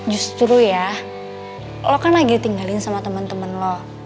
justru ya lo kan lagi ditinggalin sama teman teman lo